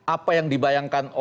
apa yang dibayangkan orangnya